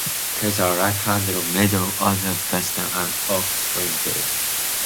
He is a right-handed middle order batsman and an off-spinner.